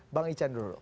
bang ican dulu